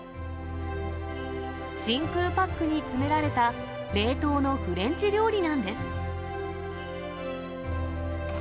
真空パックに詰められた冷凍のフレンチ料理なんです。